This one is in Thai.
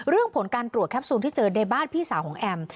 ผลการตรวจแคปซูลที่เจอในบ้านพี่สาวของแอม